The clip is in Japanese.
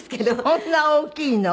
そんな大きいの？